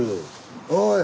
おい！